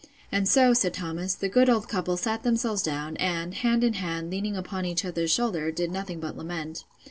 And so, said Thomas, the good old couple sat themselves down, and, hand in hand, leaning upon each other's shoulder, did nothing but lament.